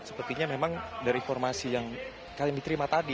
sepertinya memang dari informasi yang kalian diterima tadi